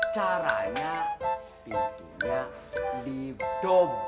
caranya pintunya didobong